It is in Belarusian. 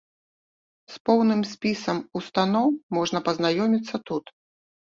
З поўным спісам устаноў можна пазнаёміцца тут.